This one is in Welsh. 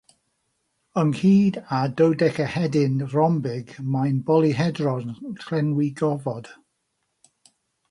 Ynghyd â'r dodecahedyn rhombig, mae'n bolyhedron llenwi gofod.